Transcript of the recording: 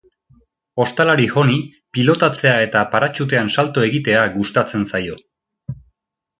Ostalari honi pilotatzea eta paratxutean salto egitea gustatzen zaio.